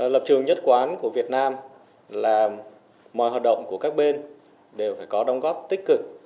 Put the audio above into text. lập trường nhất quán của việt nam là mọi hoạt động của các bên đều phải có đóng góp tích cực